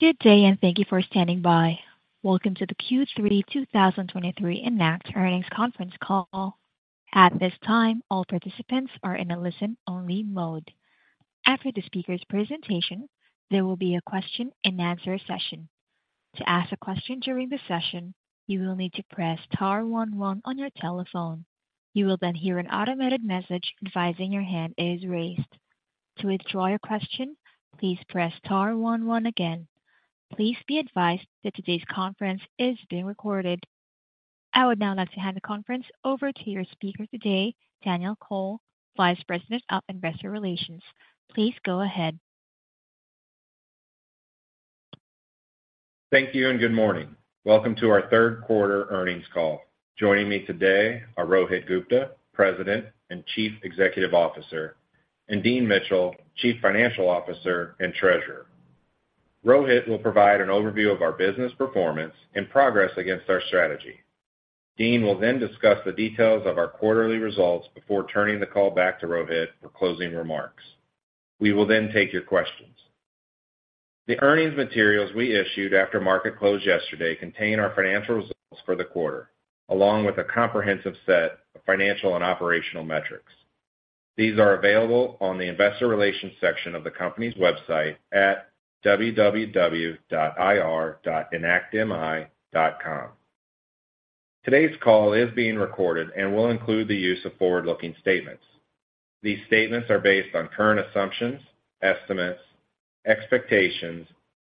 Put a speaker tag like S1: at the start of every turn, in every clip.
S1: Good day, and thank you for standing by. Welcome to the Q3 2023 Enact Earnings Conference Call. At this time, all participants are in a listen-only mode. After the speaker's presentation, there will be a question-and-answer session. To ask a question during the session, you will need to press star one on your telephone. You will then hear an automated message advising your hand is raised. To withdraw your question, please press star one one again. Please be advised that today's conference is being recorded. I would now like to hand the conference over to your speaker today, Daniel Cole, Vice President of Investor Relations. Please go ahead.
S2: Thank you, and good morning. Welcome to our third quarter earnings call. Joining me today are Rohit Gupta, President and Chief Executive Officer, and Dean Mitchell, Chief Financial Officer and Treasurer. Rohit will provide an overview of our business performance and progress against our strategy. Dean will then discuss the details of our quarterly results before turning the call back to Rohit for closing remarks. We will then take your questions. The earnings materials we issued after market closed yesterday contain our financial results for the quarter, along with a comprehensive set of financial and operational metrics. These are available on the investor relations section of the company's website at www.ir.enactmi.com. Today's call is being recorded and will include the use of forward-looking statements. These statements are based on current assumptions, estimates, expectations,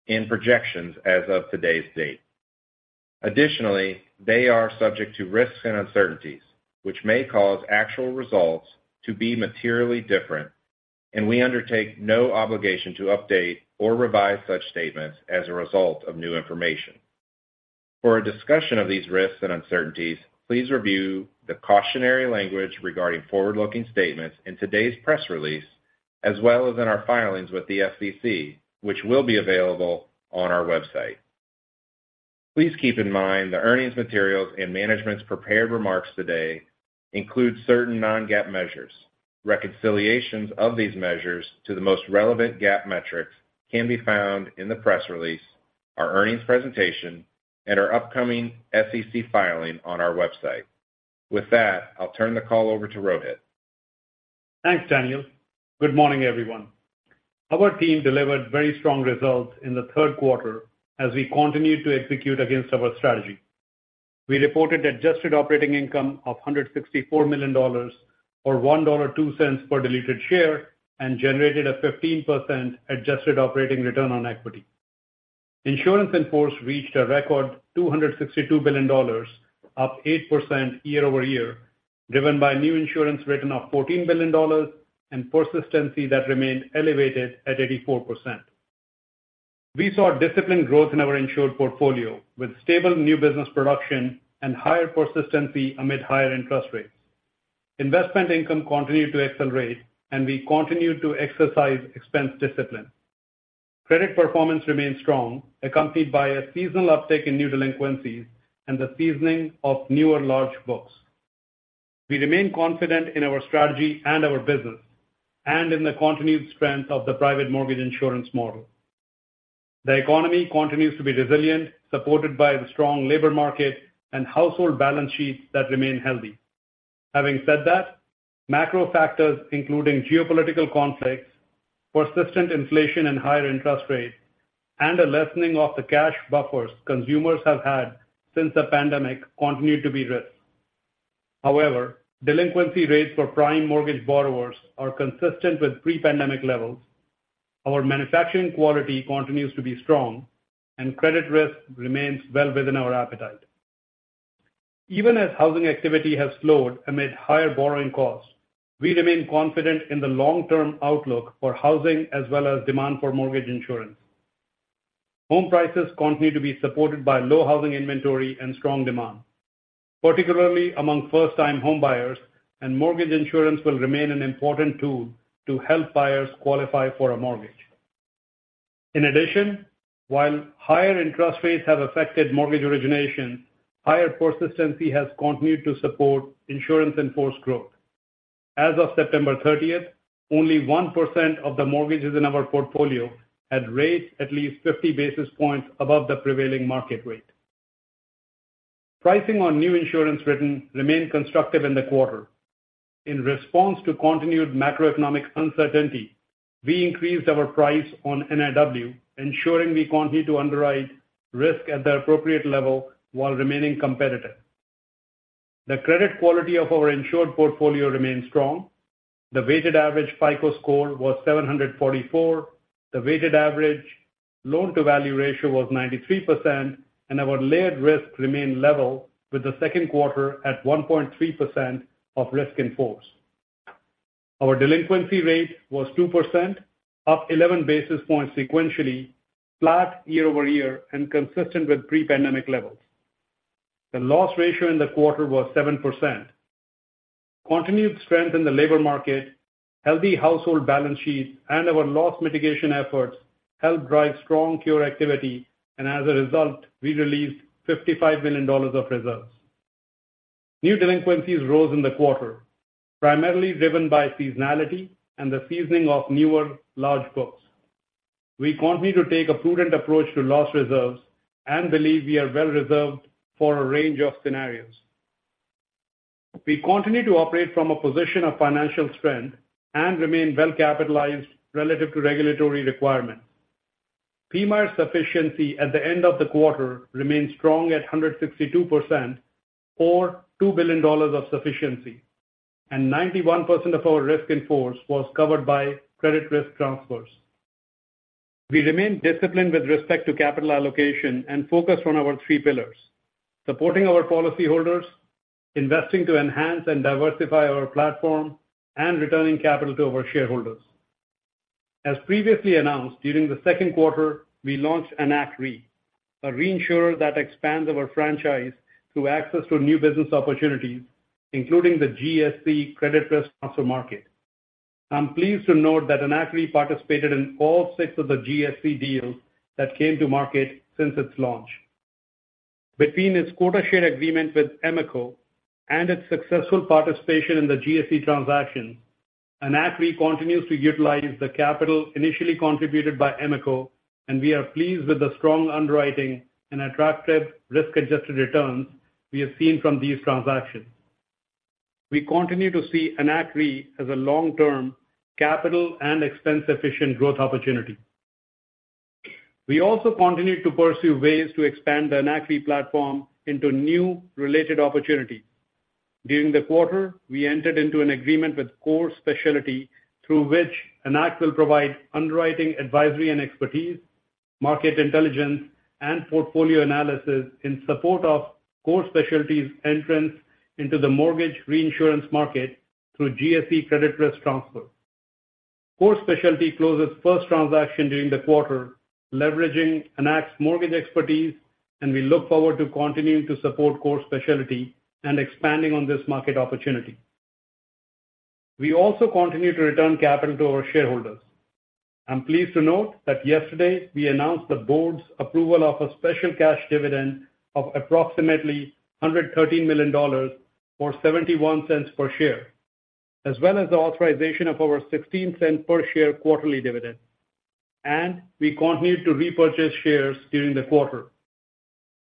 S2: and projections as of today's date. Additionally, they are subject to risks and uncertainties, which may cause actual results to be materially different, and we undertake no obligation to update or revise such statements as a result of new information. For a discussion of these risks and uncertainties, please review the cautionary language regarding forward-looking statements in today's press release, as well as in our filings with the SEC, which will be available on our website. Please keep in mind the earnings materials and management's prepared remarks today include certain non-GAAP measures. Reconciliations of these measures to the most relevant GAAP metrics can be found in the press release, our earnings presentation, and our upcoming SEC filing on our website. With that, I'll turn the call over to Rohit.
S3: Thanks, Daniel. Good morning, everyone. Our team delivered very strong results in the third quarter as we continued to execute against our strategy. We reported adjusted operating income of $164 million, or $1.02 per diluted share, and generated a 15% adjusted operating return on equity. Insurance in force reached a record $262 billion, up 8% year-over-year, driven by new insurance written of $14 billion and persistency that remained elevated at 84%. We saw disciplined growth in our insured portfolio, with stable new business production and higher persistency amid higher interest rates. Investment income continued to accelerate, and we continued to exercise expense discipline. Credit performance remained strong, accompanied by a seasonal uptick in new delinquencies and the seasoning of newer large books. We remain confident in our strategy and our business, and in the continued strength of the private mortgage insurance model. The economy continues to be resilient, supported by the strong labor market and household balance sheets that remain healthy. Having said that, macro factors, including geopolitical conflicts, persistent inflation and higher interest rates, and a lessening of the cash buffers consumers have had since the pandemic, continue to be risks. However, delinquency rates for prime mortgage borrowers are consistent with pre-pandemic levels. Our manufacturing quality continues to be strong, and credit risk remains well within our appetite. Even as housing activity has slowed amid higher borrowing costs, we remain confident in the long-term outlook for housing as well as demand for mortgage insurance. Home prices continue to be supported by low housing inventory and strong demand, particularly among first-time homebuyers, and mortgage insurance will remain an important tool to help buyers qualify for a mortgage. In addition, while higher interest rates have affected mortgage origination, higher persistency has continued to support insurance in force growth. As of September 30, only 1% of the mortgages in our portfolio had rates at least 50 basis points above the prevailing market rate. Pricing on new insurance written remained constructive in the quarter. In response to continued macroeconomic uncertainty, we increased our price on NIW, ensuring we continue to underwrite risk at the appropriate level while remaining competitive. The credit quality of our insured portfolio remains strong. The weighted average FICO score was 744. The weighted average loan-to-value ratio was 93%, and our layered risk remained level, with the second quarter at 1.3% of risk in force. Our delinquency rate was 2%, up 11 basis points sequentially, flat year-over-year, and consistent with pre-pandemic levels. The loss ratio in the quarter was 7%. Continued strength in the labor market, healthy household balance sheets, and our loss mitigation efforts helped drive strong cure activity, and as a result, we released $55 million of reserves... New delinquencies rose in the quarter, primarily driven by seasonality and the seasoning of newer large books. We continue to take a prudent approach to loss reserves and believe we are well reserved for a range of scenarios. We continue to operate from a position of financial strength and remain well capitalized relative to regulatory requirements. PMIER sufficiency at the end of the quarter remains strong at 162% or $2 billion of sufficiency, and 91% of our risk in force was covered by credit risk transfers. We remain disciplined with respect to capital allocation and focused on our three pillars: supporting our policyholders, investing to enhance and diversify our platform, and returning capital to our shareholders. As previously announced, during the second quarter, we launched Enact Re, a reinsurer that expands our franchise through access to new business opportunities, including the GSE Credit Risk Transfer market. I'm pleased to note that Enact Re participated in all 6 of the GSE deals that came to market since its launch. Between its quota share agreement with Genworth and its successful participation in the GSE transaction, Enact Re continues to utilize the capital initially contributed by Genworth, and we are pleased with the strong underwriting and attractive risk-adjusted returns we have seen from these transactions. We continue to see Enact Re as a long-term capital and expense-efficient growth opportunity. We also continue to pursue ways to expand the Enact Re platform into new related opportunities. During the quarter, we entered into an agreement with Core Specialty, through which Enact will provide underwriting, advisory, and expertise, market intelligence, and portfolio analysis in support of Core Specialty's entrance into the mortgage reinsurance market through GSE Credit Risk Transfer. Core Specialty closed its first transaction during the quarter, leveraging Enact's mortgage expertise, and we look forward to continuing to support Core Specialty and expanding on this market opportunity. We also continue to return capital to our shareholders. I'm pleased to note that yesterday, we announced the board's approval of a special cash dividend of approximately $113 million, or $0.71 per share, as well as the authorization of our $0.16 per share quarterly dividend. We continued to repurchase shares during the quarter.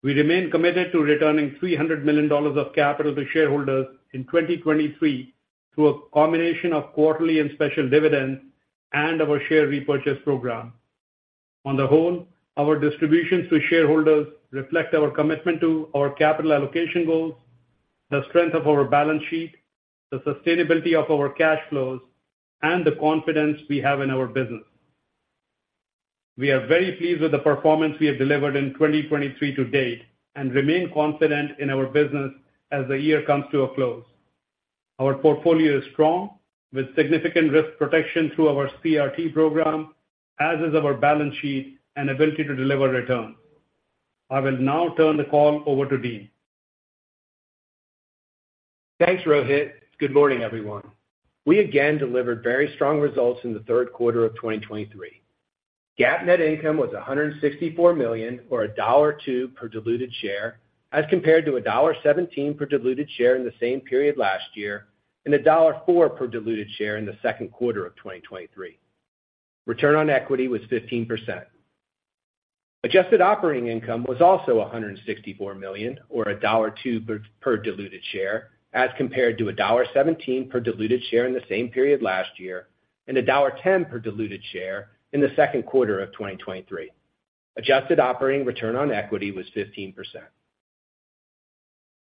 S3: We remain committed to returning $300 million of capital to shareholders in 2023 through a combination of quarterly and special dividends and our share repurchase program. On the whole, our distributions to shareholders reflect our commitment to our capital allocation goals, the strength of our balance sheet, the sustainability of our cash flows, and the confidence we have in our business. We are very pleased with the performance we have delivered in 2023 to date and remain confident in our business as the year comes to a close. Our portfolio is strong, with significant risk protection through our CRT program, as is our balance sheet and ability to deliver return. I will now turn the call over to Dean.
S4: Thanks, Rohit. Good morning, everyone. We again delivered very strong results in the third quarter of 2023. GAAP net income was $164 million, or $1.02 per diluted share, as compared to $1.17 per diluted share in the same period last year and $1.04 per diluted share in the second quarter of 2023. Return on equity was 15%. Adjusted operating income was also $164 million, or $1.02 per diluted share, as compared to $1.17 per diluted share in the same period last year and $1.10 per diluted share in the second quarter of 2023. Adjusted operating return on equity was 15%.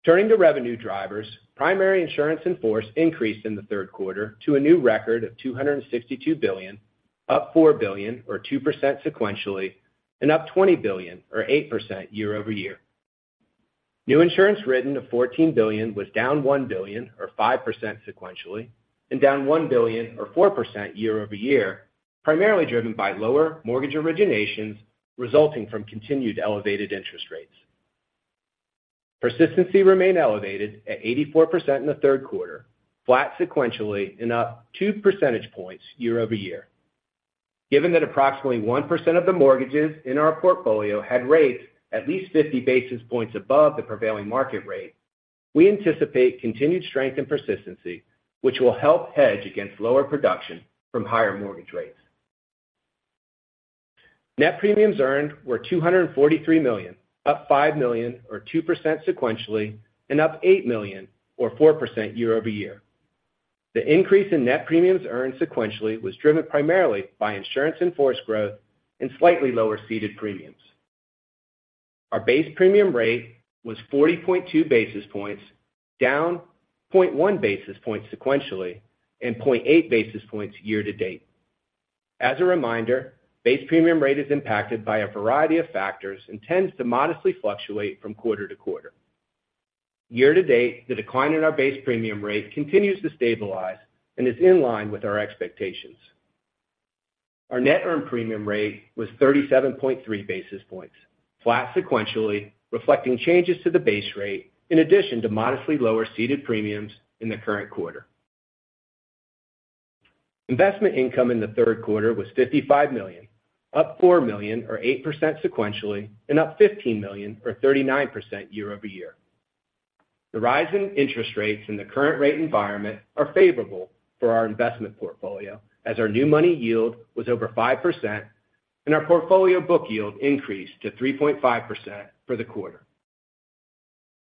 S4: Turning to revenue drivers, primary insurance in force increased in the third quarter to a new record of $262 billion, up $4 billion, or 2% sequentially, and up $20 billion or 8% year-over-year. New insurance written of $14 billion was down $1 billion or 5% sequentially, and down $1 billion or 4% year-over-year, primarily driven by lower mortgage originations resulting from continued elevated interest rates. Persistency remained elevated at 84% in the third quarter, flat sequentially and up 2% points year-over-year. Given that approximately 1% of the mortgages in our portfolio had rates at least 50 basis points above the prevailing market rate, we anticipate continued strength and persistency, which will help hedge against lower production from higher mortgage rates. Net premiums earned were $243 million, up $5 million, or 2% sequentially, and up $8 million or 4% year-over-year. The increase in net premiums earned sequentially was driven primarily by insurance in force growth and slightly lower ceded premiums. Our base premium rate was 40.2 basis points, down 0.1 basis points sequentially and 0.8 basis points year to date. As a reminder, base premium rate is impacted by a variety of factors and tends to modestly fluctuate from quarter-to-quarter. Year to date, the decline in our base premium rate continues to stabilize and is in line with our expectations. Our net earned premium rate was 37.3 basis points, flat sequentially, reflecting changes to the base rate in addition to modestly lower ceded premiums in the current quarter. Investment income in the third quarter was $55 million, up $4 million or 8% sequentially, and up $15 million or 39% year-over-year. The rise in interest rates in the current rate environment are favorable for our investment portfolio, as our new money yield was over 5%, and our portfolio book yield increased to 3.5% for the quarter.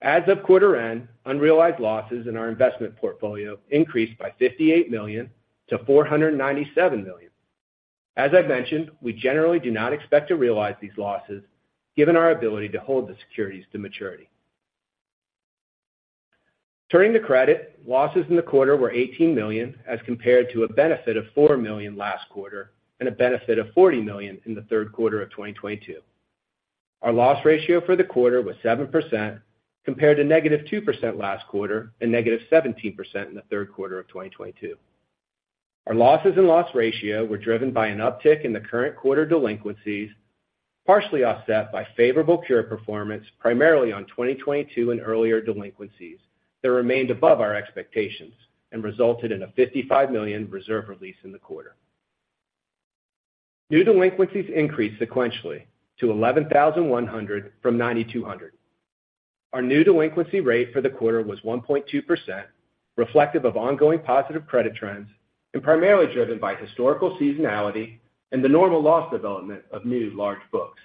S4: As of quarter end, unrealized losses in our investment portfolio increased by $58 million to $497 million. As I've mentioned, we generally do not expect to realize these losses, given our ability to hold the securities to maturity. Turning to credit, losses in the quarter were $18 million, as compared to a benefit of $4 million last quarter and a benefit of $40 million in the third quarter of 2022. Our loss ratio for the quarter was 7%, compared to -2% last quarter and -17% in the third quarter of 2022. Our losses and loss ratio were driven by an uptick in the current quarter delinquencies, partially offset by favorable cure performance, primarily on 2022 and earlier delinquencies, that remained above our expectations and resulted in a $55 million reserve release in the quarter. New delinquencies increased sequentially to 11,100 from 9,200. Our new delinquency rate for the quarter was 1.2%, reflective of ongoing positive credit trends and primarily driven by historical seasonality and the normal loss development of new large books.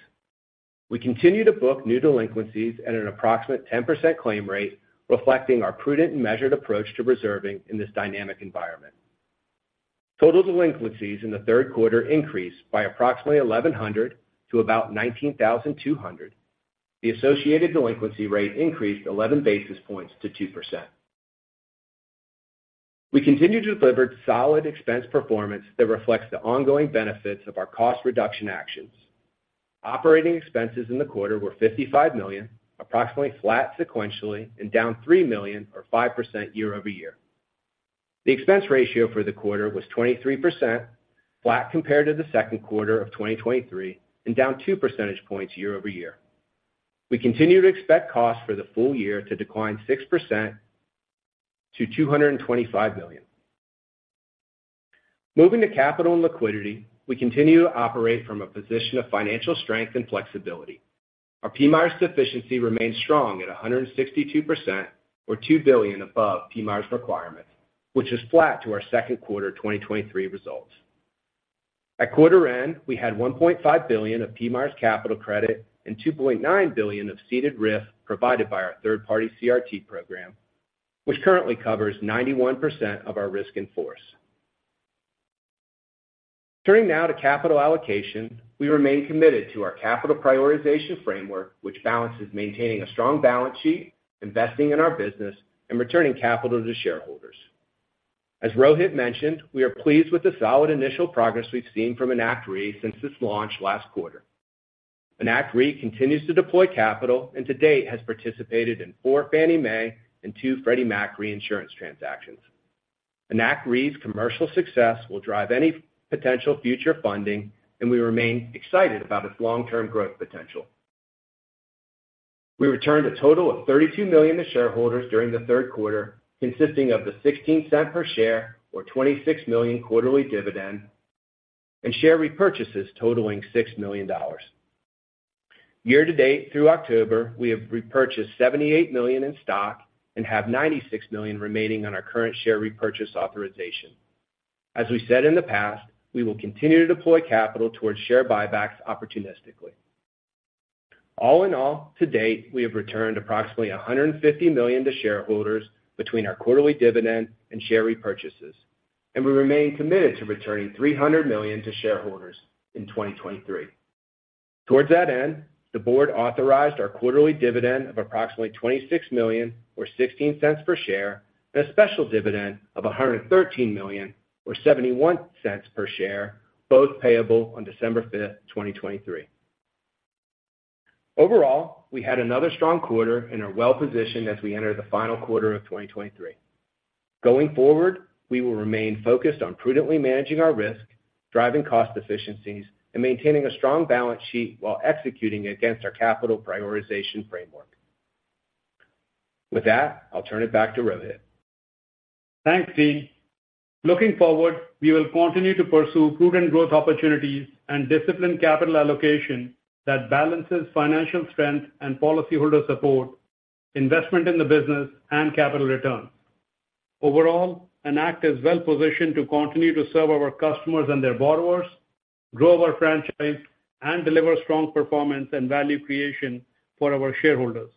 S4: We continue to book new delinquencies at an approximate 10% claim rate, reflecting our prudent and measured approach to reserving in this dynamic environment. Total delinquencies in the third quarter increased by approximately 1,100 to about 19,200. The associated delinquency rate increased 11 basis points to 2%. We continue to deliver solid expense performance that reflects the ongoing benefits of our cost reduction actions. Operating expenses in the quarter were $55 million, approximately flat sequentially and down $3 million or 5% year-over-year. The expense ratio for the quarter was 23%, flat compared to the second quarter of 2023, and down 2% points year-over-year. We continue to expect costs for the full year to decline 6% to $225 billion. Moving to capital and liquidity, we continue to operate from a position of financial strength and flexibility. Our PMIERs sufficiency remains strong at 162% or $2 billion above PMIERs requirements, which is flat to our second quarter 2023 results. At quarter end, we had $1.5 billion of PMIERs capital credit and $2.9 billion of ceded RIF provided by our third-party CRT program, which currently covers 91% of our risk in force. Turning now to capital allocation, we remain committed to our capital prioritization framework, which balances maintaining a strong balance sheet, investing in our business, and returning capital to shareholders. As Rohit mentioned, we are pleased with the solid initial progress we've seen from Enact Re since this launch last quarter. Enact Re continues to deploy capital and to date, has participated in 4 Fannie Mae and 2 Freddie Mac reinsurance transactions. Enact Re's commercial success will drive any potential future funding, and we remain excited about its long-term growth potential. We returned a total of $32 million to shareholders during the third quarter, consisting of the 16-cent per share or $26 million quarterly dividend and share repurchases totaling $6 million. Year to date, through October, we have repurchased $78 million in stock and have $96 million remaining on our current share repurchase authorization. As we said in the past, we will continue to deploy capital towards share buybacks opportunistically. All in all, to date, we have returned approximately $150 million to shareholders between our quarterly dividend and share repurchases, and we remain committed to returning $300 million to shareholders in 2023. Towards that end, the board authorized our quarterly dividend of approximately $26 million or $0.16 per share, and a special dividend of $113 million or $0.71 per share, both payable on December fifth, 2023. Overall, we had another strong quarter and are well-positioned as we enter the final quarter of 2023. Going forward, we will remain focused on prudently managing our risk, driving cost efficiencies, and maintaining a strong balance sheet while executing against our capital prioritization framework. With that, I'll turn it back to Rohit.
S3: Thanks, Dean. Looking forward, we will continue to pursue prudent growth opportunities and disciplined capital allocation that balances financial strength and policyholder support, investment in the business, and capital returns. Overall, Enact is well positioned to continue to serve our customers and their borrowers, grow our franchise, and deliver strong performance and value creation for our shareholders.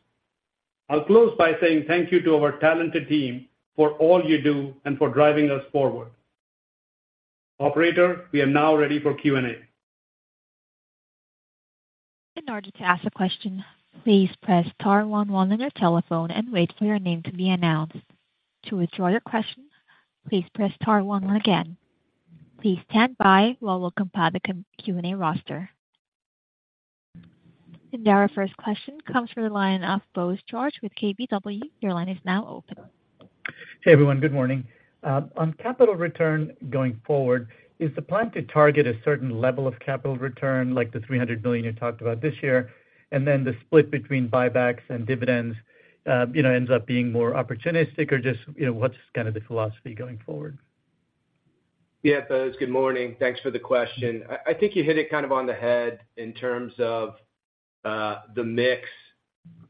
S3: I'll close by saying thank you to our talented team for all you do and for driving us forward. Operator, we are now ready for Q&A.
S1: In order to ask a question, please press star one one on your telephone and wait for your name to be announced. To withdraw your question, please press star one one again. Please stand by while we compile the Q&A roster. Our first question comes from the line of Bose George with KBW. Your line is now open.
S5: Hey, everyone. Good morning. On capital return going forward, is the plan to target a certain level of capital return, like the $300 million you talked about this year, and then the split between buybacks and dividends, you know, ends up being more opportunistic? Or just, you know, what's kind of the philosophy going forward?
S4: Yeah, Bose, good morning. Thanks for the question. I think you hit it kind of on the head in terms of the mix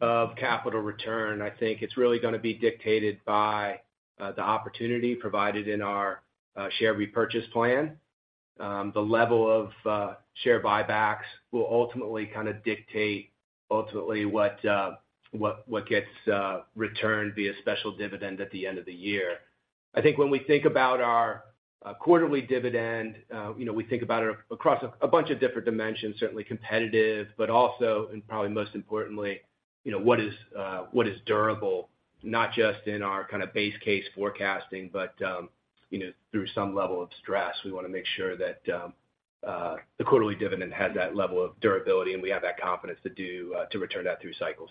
S4: of capital return. I think it's really going to be dictated by the opportunity provided in our share repurchase plan. The level of share buybacks will ultimately kind of dictate, ultimately, what gets returned via special dividend at the end of the year. I think when we think about our quarterly dividend, you know, we think about it across a bunch of different dimensions, certainly competitive, but also, and probably most importantly, you know, what is durable, not just in our kind of base case forecasting, but you know, through some level of stress. We want to make sure that the quarterly dividend has that level of durability, and we have that confidence to return that through cycles.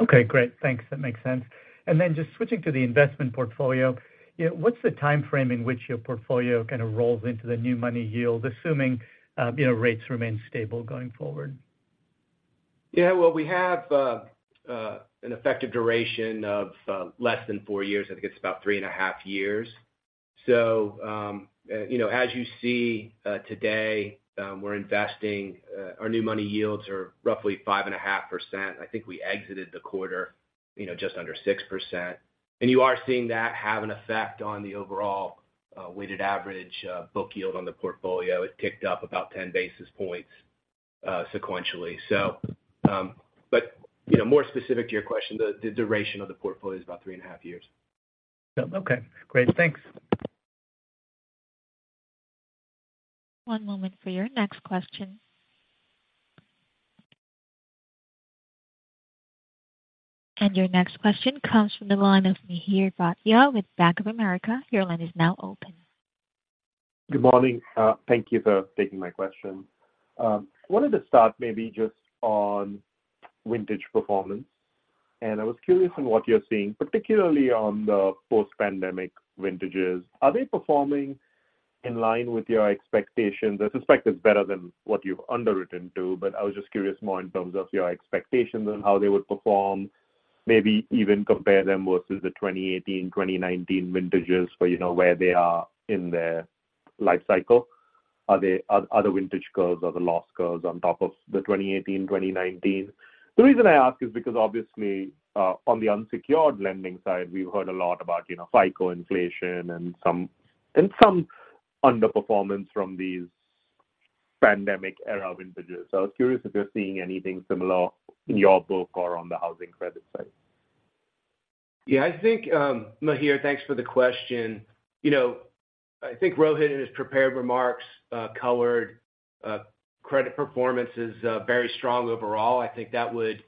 S5: Okay, great. Thanks. That makes sense. And then just switching to the investment portfolio, yeah, what's the timeframe in which your portfolio kind of rolls into the new money yield, assuming, you know, rates remain stable going forward?
S4: Yeah, well, we have an effective duration of less than four years. I think it's about 3.5 years. So, you know, as you see, today, we're investing, our new money yields are roughly 5.5%. I think we exited the quarter, you know, just under 6%. And you are seeing that have an effect on the overall, weighted average, book yield on the portfolio. It ticked up about 10 basis points, sequentially. So, but you know, more specific to your question, the, the duration of the portfolio is about 3.5 years.
S5: Okay, great. Thanks.
S1: One moment for your next question. Your next question comes from the line of Mihir Bhatia with Bank of America. Your line is now open.
S6: Good morning. Thank you for taking my question. Wanted to start maybe just on vintage performance, and I was curious on what you're seeing, particularly on the post-pandemic vintages. Are they performing in line with your expectations? I suspect it's better than what you've underwritten to, but I was just curious more in terms of your expectations on how they would perform, maybe even compare them versus the 2018, 2019 vintages, for, you know, where they are in their life cycle. Are they... Are, are the vintage curves or the loss curves on top of the 2018, 2019? The reason I ask is because obviously, on the unsecured lending side, we've heard a lot about, you know, FICO inflation and some, and some underperformance from these pandemic-era vintages. I was curious if you're seeing anything similar in your book or on the housing credit side?
S4: Yeah, I think, Mihir, thanks for the question. You know, I think Rohit, in his prepared remarks, colored, credit performance is very strong overall. I think that would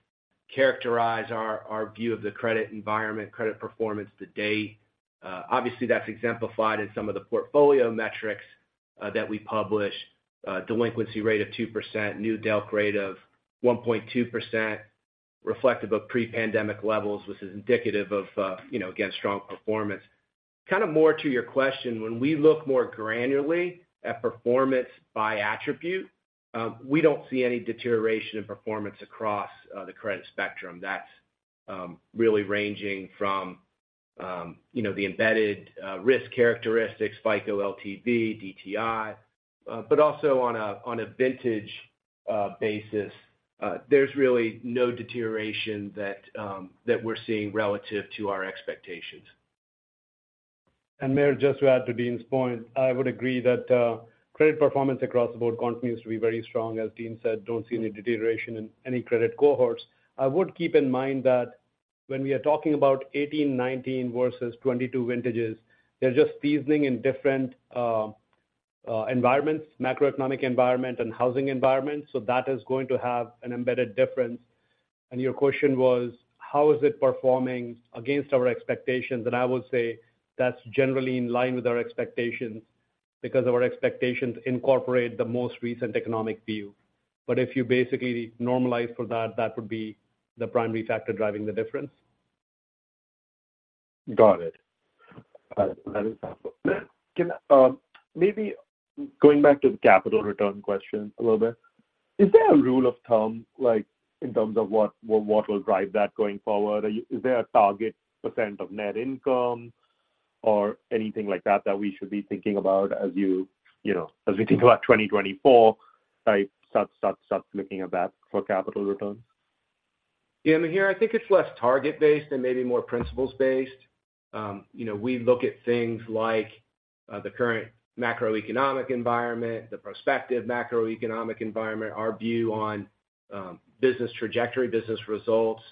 S4: characterize our, our view of the credit environment, credit performance to date. Obviously, that's exemplified in some of the portfolio metrics that we publish. Delinquency rate of 2%, new delinquency rate of 1.2%, reflective of pre-pandemic levels, which is indicative of, you know, again, strong performance. Kind of more to your question, when we look more granularly at performance by attribute, we don't see any deterioration in performance across the credit spectrum. That's really ranging from, you know, the embedded risk characteristics, FICO, LTV, DTI. But also on a vintage basis, there's really no deterioration that we're seeing relative to our expectations.
S3: Mihir, just to add to Dean's point, I would agree that, credit performance across the board continues to be very strong. As Dean said, don't see any deterioration in any credit cohorts. I would keep in mind that when we are talking about 2018, 2019 versus 2022 vintages, they're just seasoning in different, environments, macroeconomic environment and housing environments, so that is going to have an embedded difference. And your question was, how is it performing against our expectations? And I would say that's generally in line with our expectations because our expectations incorporate the most recent economic view. But if you basically normalize for that, that would be the primary factor driving the difference.
S6: Got it. That is helpful. Can maybe going back to the capital return question a little bit, is there a rule of thumb, like, in terms of what will drive that going forward? Is there a target % of net income or anything like that, that we should be thinking about as you, you know, as we think about 2024, type start looking at that for capital return?
S4: Yeah, Mihir, I think it's less target-based and maybe more principles-based. You know, we look at things like, the current macroeconomic environment, the prospective macroeconomic environment, our view on, business trajectory, business results,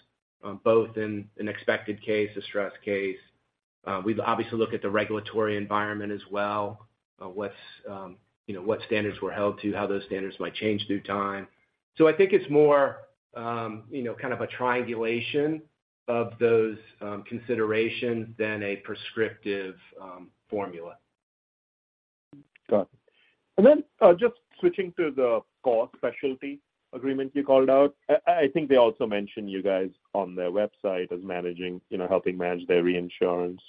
S4: both in an expected case, a stress case. We obviously look at the regulatory environment as well. What's, you know, what standards we're held to, how those standards might change through time. So I think it's more, you know, kind of a triangulation of those, considerations than a prescriptive, formula.
S6: Got it. And then, just switching to the Core Specialty agreement you called out. I think they also mentioned you guys on their website as managing, you know, helping manage their reinsurance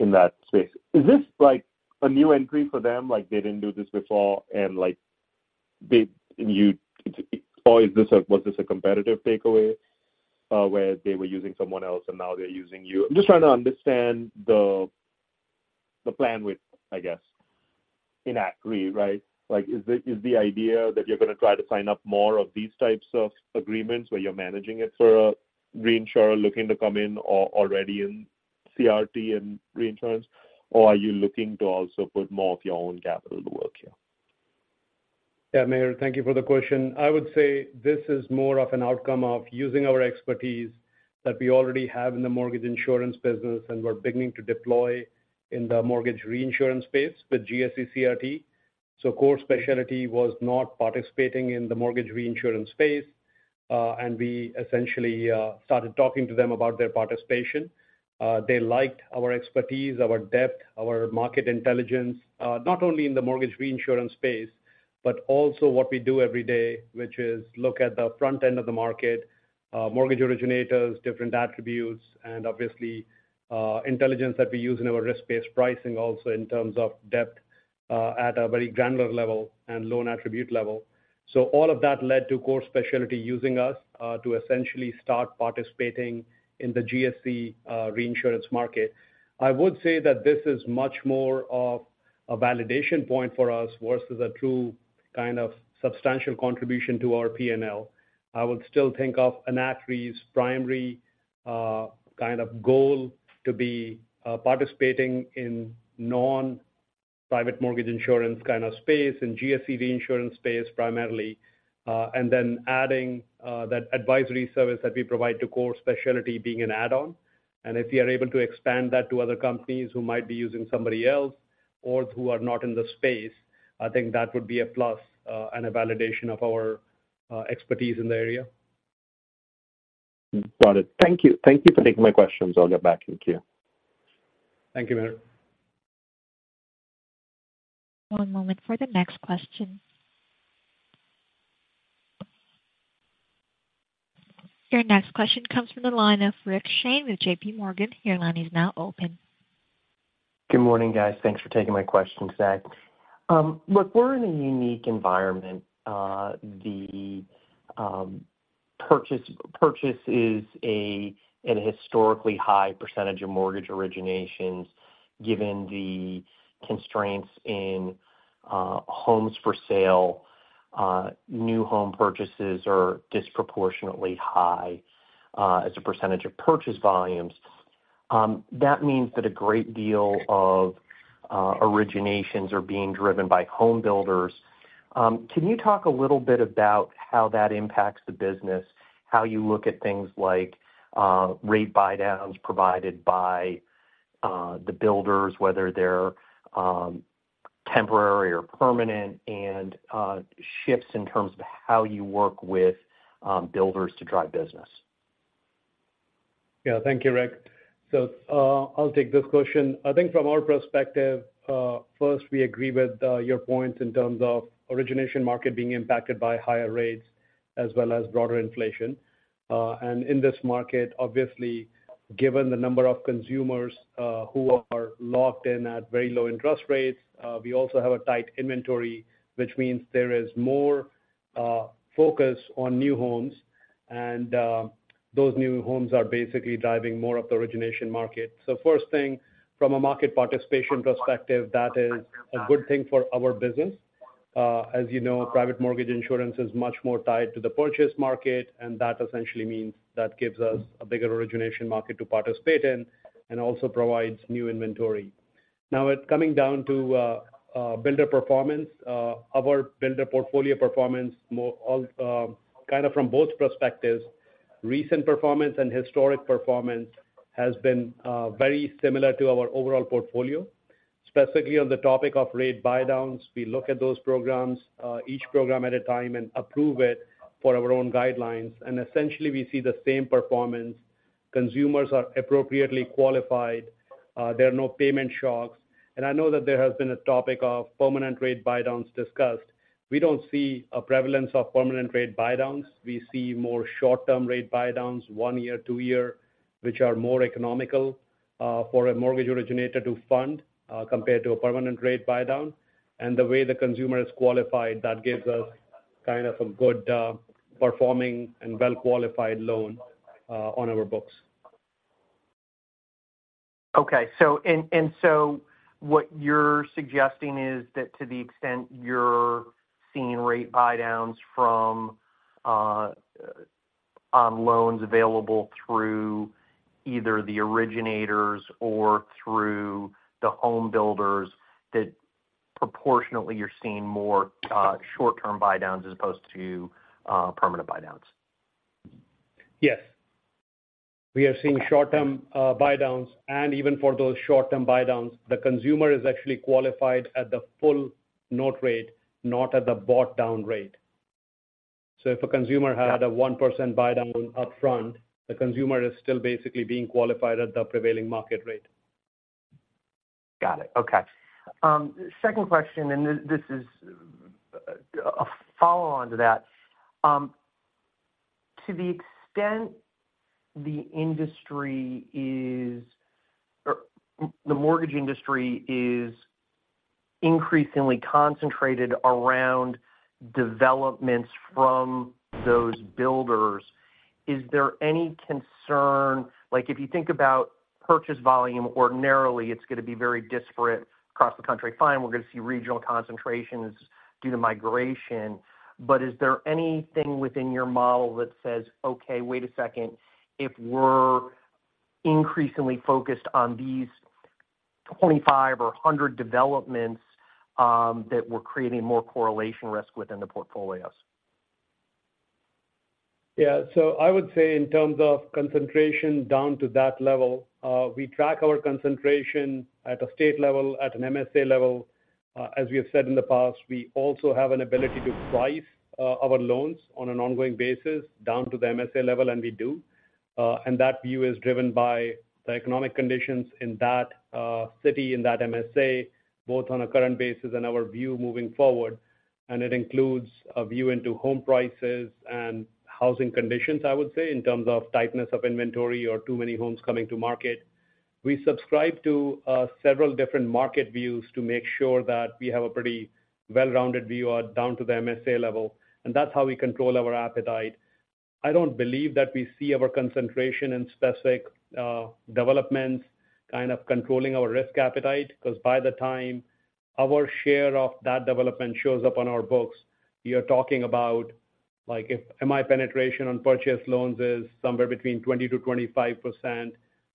S6: in that space. Is this like a new entry for them, like they didn't do this before? And like they and you, or is this, was this a competitive takeaway, where they were using someone else and now they're using you? I'm just trying to understand the plan with, I guess, in Enact Re, right? Like, is the idea that you're gonna try to sign up more of these types of agreements, where you're managing it for a reinsurer looking to come in or already in CRT and reinsurance? Or are you looking to also put more of your own capital to work here?
S3: Yeah, Mihir, thank you for the question. I would say this is more of an outcome of using our expertise that we already have in the mortgage insurance business and we're beginning to deploy in the mortgage reinsurance space with GSE CRT. So Core Specialty was not participating in the mortgage reinsurance space, and we essentially started talking to them about their participation. They liked our expertise, our depth, our market intelligence, not only in the mortgage reinsurance space, but also what we do every day, which is look at the front end of the market, mortgage originators, different attributes, and obviously, intelligence that we use in our risk-based pricing, also in terms of depth, at a very granular level and loan attribute level. So all of that led to Core Specialty using us, to essentially start participating in the GSE, reinsurance market. I would say that this is much more of a validation point for us versus a true kind of substantial contribution to our PNL. I would still think of Enact Re's primary, kind of goal to be, participating in non-private mortgage insurance kind of space, in GSE reinsurance space, primarily, and then adding, that advisory service that we provide to Core Specialty being an add-on. And if we are able to expand that to other companies who might be using somebody else or who are not in the space, I think that would be a plus, and a validation of our, expertise in the area.
S6: Got it. Thank you. Thank you for taking my questions. I'll get back in queue.
S3: Thank you, Mihir.
S1: One moment for the next question. Your next question comes from the line of Rick Shane with JPMorgan. Your line is now open.
S7: Good morning, guys. Thanks for taking my question today. Look, we're in a unique environment. The purchase is an historically high percentage of mortgage originations, given the constraints in homes for sale. New home purchases are disproportionately high as a percentage of purchase volumes. That means that a great deal of originations are being driven by home builders. Can you talk a little bit about how that impacts the business, how you look at things like rate buydowns provided by the builders, whether they're temporary or permanent, and shifts in terms of how you work with builders to drive business?
S3: Yeah. Thank you, Rick. So, I'll take this question. I think from our perspective, first, we agree with your point in terms of origination market being impacted by higher rates as well as broader inflation. In this market, obviously, given the number of consumers who are locked in at very low interest rates, we also have a tight inventory, which means there is more focus on new homes, and those new homes are basically driving more of the origination market. First thing, from a market participation perspective, that is a good thing for our business. As you know, private mortgage insurance is much more tied to the purchase market, and that essentially means that gives us a bigger origination market to participate in and also provides new inventory. Now, it's coming down to builder performance, our builder portfolio performance, kind of from both perspectives, recent performance and historic performance, has been very similar to our overall portfolio. Specifically on the topic of rate buydowns, we look at those programs, each program at a time and approve it for our own guidelines. And essentially, we see the same performance. Consumers are appropriately qualified, there are no payment shocks. And I know that there has been a topic of permanent rate buydowns discussed. We don't see a prevalence of permanent rate buydowns. We see more short-term rate buydowns, one-year, two-year, which are more economical for a mortgage originator to fund compared to a permanent rate buydown. The way the consumer is qualified, that gives us kind of a good, performing and well-qualified loan, on our books.
S7: Okay, so what you're suggesting is that to the extent you're seeing rate buydowns from on loans available through either the originators or through the home builders, that proportionately you're seeing more short-term buydowns as opposed to permanent buydowns?
S3: Yes. We are seeing short-term buydowns, and even for those short-term buydowns, the consumer is actually qualified at the full note rate, not at the bought down rate. So if a consumer had a 1% buydown upfront, the consumer is still basically being qualified at the prevailing market rate.
S7: Got it. Okay. Second question, and this, this is a follow-on to that. To the extent the industry is or the mortgage industry is increasingly concentrated around developments from those builders, is there any concern, like if you think about purchase volume, ordinarily it's going to be very disparate across the country. Fine, we're going to see regional concentrations due to migration. But is there anything within your model that says, okay, wait a second, if we're increasingly focused on these 25 or 100 developments, that we're creating more correlation risk within the portfolios?
S3: Yeah. So I would say in terms of concentration down to that level, we track our concentration at a state level, at an MSA level. As we have said in the past, we also have an ability to price our loans on an ongoing basis down to the MSA level, and we do. And that view is driven by the economic conditions in that city, in that MSA, both on a current basis and our view moving forward. And it includes a view into home prices and housing conditions, I would say, in terms of tightness of inventory or too many homes coming to market. We subscribe to several different market views to make sure that we have a pretty well-rounded view down to the MSA level, and that's how we control our appetite. I don't believe that we see our concentration in specific developments kind of controlling our risk appetite, because by the time our share of that development shows up on our books, we are talking about, like, if my penetration on purchase loans is somewhere between 20%-25%,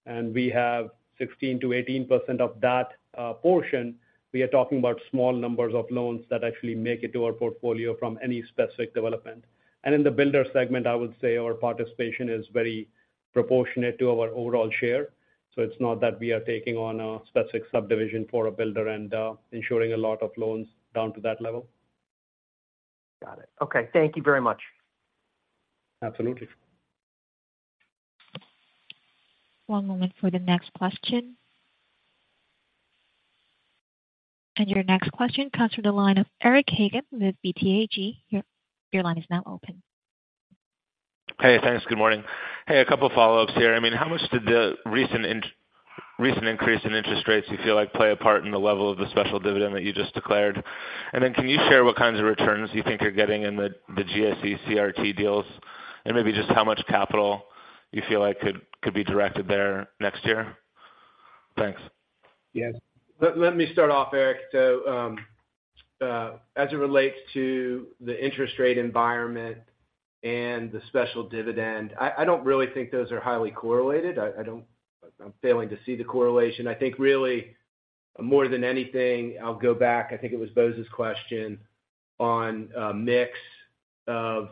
S3: and we have 16%-18% of that portion, we are talking about small numbers of loans that actually make it to our portfolio from any specific development. In the builder segment, I would say our participation is very proportionate to our overall share. It's not that we are taking on a specific subdivision for a builder and ensuring a lot of loans down to that level.
S7: Got it. Okay. Thank you very much.
S3: Absolutely.
S1: One moment for the next question. Your next question comes from the line of Eric Hagen with BTIG. Your line is now open.
S8: Hey, thanks. Good morning. Hey, a couple of follow-ups here. I mean, how much did the recent increase in interest rates, you feel like, play a part in the level of the special dividend that you just declared? And then can you share what kinds of returns you think you're getting in the GSE CRT deals, and maybe just how much capital you feel like could be directed there next year? Thanks.
S3: Yes.
S4: Let me start off, Eric. So, as it relates to the interest rate environment and the special dividend, I don't really think those are highly correlated. I don't. I'm failing to see the correlation. I think really, more than anything, I'll go back. I think it was Bose's question on mix of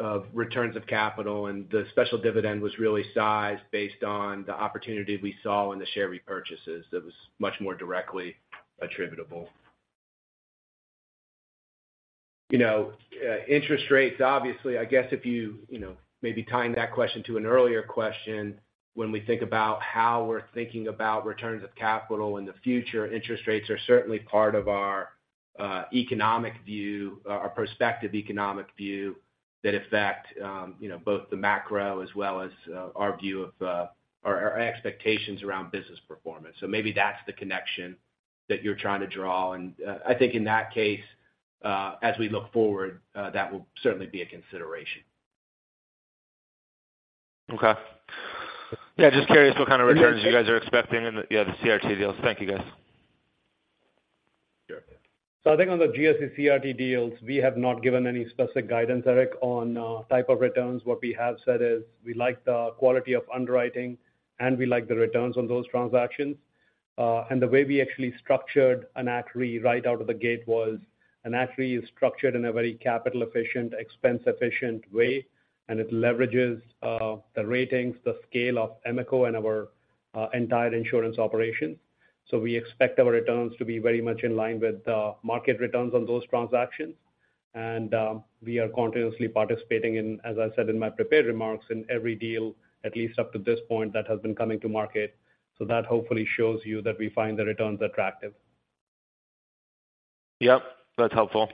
S4: of returns of capital, and the special dividend was really sized based on the opportunity we saw in the share repurchases. That was much more directly attributable. You know, interest rates, obviously, I guess if you, you know, maybe tying that question to an earlier question, when we think about how we're thinking about returns of capital in the future, interest rates are certainly part of our economic view, our prospective economic view, that affect you know, both the macro as well as our view of our expectations around business performance. So maybe that's the connection that you're trying to draw. And I think in that case, as we look forward, that will certainly be a consideration.
S8: Okay. Yeah, just curious what kind of returns you guys are expecting in the, yeah, the CRT deals? Thank you, guys.
S4: Sure.
S3: So I think on the GSE CRT deals, we have not given any specific guidance, Eric, on type of returns. What we have said is we like the quality of underwriting and we like the returns on those transactions. And the way we actually structured an Enact Re right out of the gate was an Enact Re is structured in a very capital efficient, expense efficient way, and it leverages the ratings, the scale of Genworth and our entire insurance operation. So we expect our returns to be very much in line with the market returns on those transactions. And we are continuously participating in, as I said in my prepared remarks, in every deal, at least up to this point, that has been coming to market. So that hopefully shows you that we find the returns attractive.
S8: Yep, that's helpful.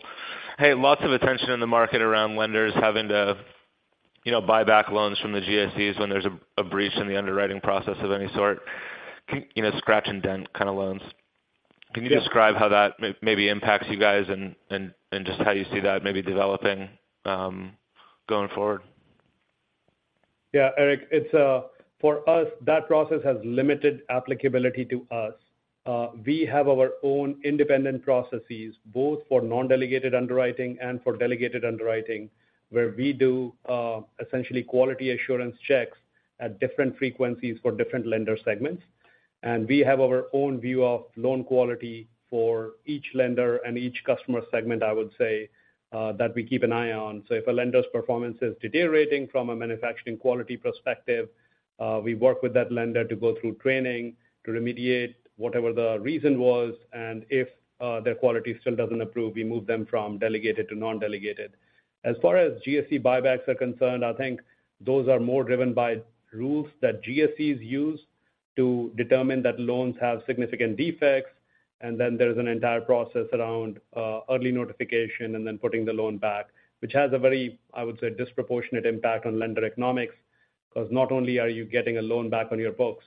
S8: Hey, lots of attention in the market around lenders having to, you know, buy back loans from the GSEs when there's a breach in the underwriting process of any sort, you know, scratch and dent kind of loans. Can you describe how that maybe impacts you guys and just how you see that maybe developing going forward?
S3: Yeah, Eric, it's for us, that process has limited applicability to us. We have our own independent processes, both for non-delegated underwriting and for delegated underwriting, where we do essentially quality assurance checks at different frequencies for different lender segments. And we have our own view of loan quality for each lender and each customer segment, I would say, that we keep an eye on. So if a lender's performance is deteriorating from a manufacturing quality perspective, we work with that lender to go through training to remediate whatever the reason was, and if their quality still doesn't improve, we move them from delegated to non-delegated. As far as GSE buybacks are concerned, I think those are more driven by rules that GSEs use to determine that loans have significant defects. Then there's an entire process around early notification and then putting the loan back, which has a very, I would say, disproportionate impact on lender economics. Because not only are you getting a loan back on your books,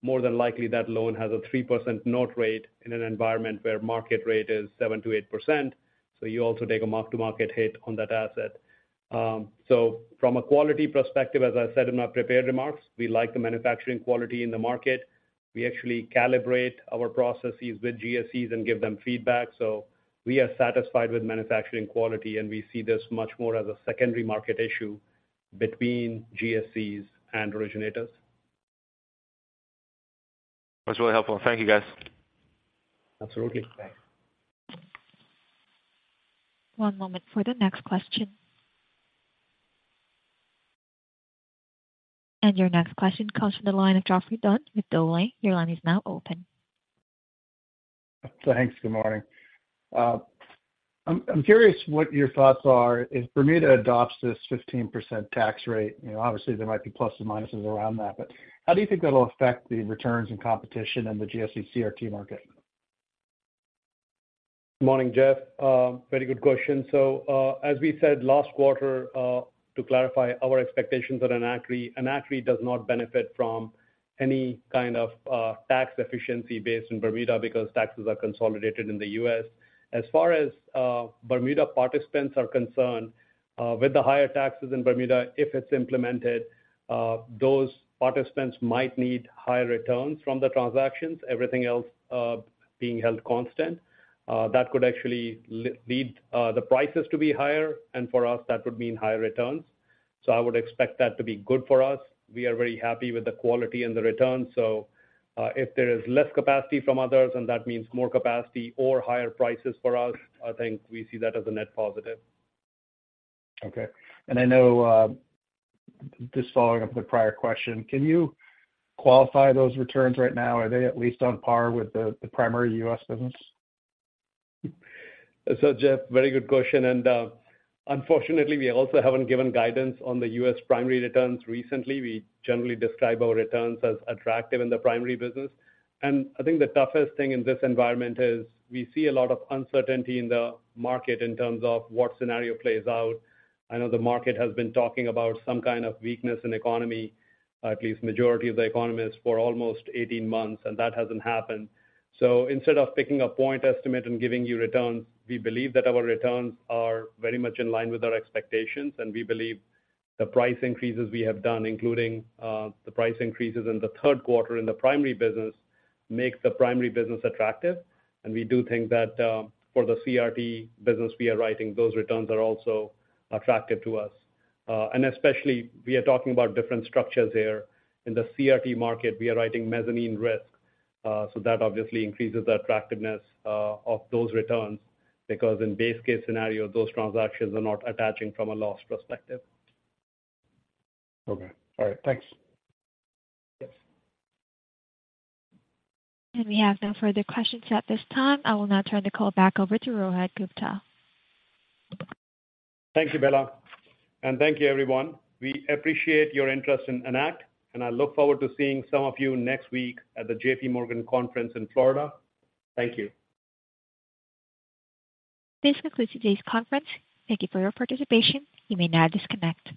S3: more than likely that loan has a 3% note rate in an environment where market rate is 7%-8%, so you also take a mark-to-market hit on that asset. So from a quality perspective, as I said in my prepared remarks, we like the manufacturing quality in the market. We actually calibrate our processes with GSEs and give them feedback. So we are satisfied with manufacturing quality, and we see this much more as a secondary market issue between GSEs and originators.
S8: That's really helpful. Thank you, guys.
S3: Absolutely. Thanks.
S1: One moment for the next question. Your next question comes from the line of Geoffrey Dunn with Dowling. Your line is now open.
S9: Thanks. Good morning. I'm curious what your thoughts are if Bermuda adopts this 15% tax rate. You know, obviously, there might be plus and minuses around that, but how do you think that'll affect the returns and competition in the GSE CRT market?
S3: Good morning, Geoff. Very good question. So, as we said last quarter, to clarify our expectations at Enact, Enact does not benefit from any kind of tax efficiency based in Bermuda because taxes are consolidated in the U.S. As far as Bermuda participants are concerned, with the higher taxes in Bermuda, if it's implemented, those participants might need higher returns from the transactions, everything else being held constant. That could actually lead the prices to be higher, and for us, that would mean higher returns. So I would expect that to be good for us. We are very happy with the quality and the returns, so if there is less capacity from others, and that means more capacity or higher prices for us, I think we see that as a net positive.
S9: Okay. I know, just following up with the prior question, can you qualify those returns right now? Are they at least on par with the primary U.S. business?
S3: So, Geoff, very good question, and, unfortunately, we also haven't given guidance on the U.S. primary returns recently. We generally describe our returns as attractive in the primary business. And I think the toughest thing in this environment is we see a lot of uncertainty in the market in terms of what scenario plays out. I know the market has been talking about some kind of weakness in economy, at least majority of the economists, for almost 18 months, and that hasn't happened. So instead of picking a point estimate and giving you returns, we believe that our returns are very much in line with our expectations. And we believe the price increases we have done, including, the price increases in the third quarter in the primary business, make the primary business attractive. We do think that, for the CRT business we are writing, those returns are also attractive to us. Especially, we are talking about different structures here. In the CRT market, we are writing mezzanine risk, so that obviously increases the attractiveness, of those returns because in base case scenario, those transactions are not attaching from a loss perspective.
S9: Okay. All right. Thanks.
S3: Yes.
S1: We have no further questions at this time. I will now turn the call back over to Rohit Gupta.
S3: Thank you, Bella, and thank you, everyone. We appreciate your interest in Enact, and I look forward to seeing some of you next week at the JPMorgan conference in Florida. Thank you.
S1: This concludes today's conference. Thank you for your participation. You may now disconnect.